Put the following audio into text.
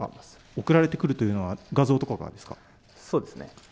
送られてくるというのは、画像とかがですか。